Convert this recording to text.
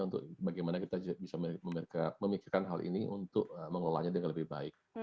untuk bagaimana kita bisa memikirkan hal ini untuk mengelolanya dengan lebih baik